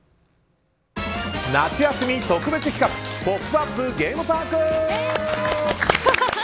夏休み特別企画「ポップＵＰ！」ゲームパーク！